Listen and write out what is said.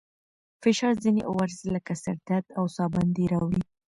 فشار ځينې عوارض لکه سر درد او ساه بندي راوړي.